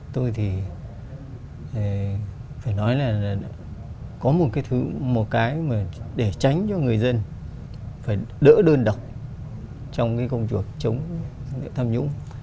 tôi thì phải nói là có một cái thứ một cái để tránh cho người dân phải đỡ đơn độc trong cái công trực chống thâm nhũng